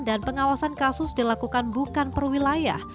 dan pengawasan kasus dilakukan bukan perwilayah